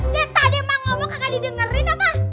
nih tadi emak ngomong kagak didengerin apa